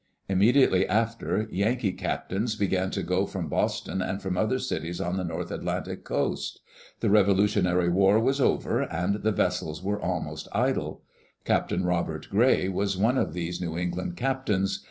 Immediately after, Yankee captains began to go from Boston and from other cities on the north Atlantic coast. The Revolutionary War was over and the vessels ["] Digitized by CjOOQ IC EARLY DAYS IN OLD OREGON were almost idle. Captain Robert Gray was one of these New England captains.